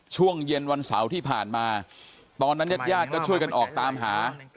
ช่วงเย็นวันเสาร์ที่ผ่านมาตอนนั้นญาติญาติก็ช่วยกันออกตามหา